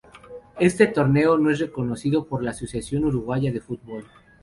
Este torneo no es reconocido por la Asociación Uruguaya de Fútbol.